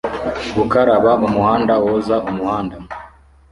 Gukaraba umuhanda woza umuhanda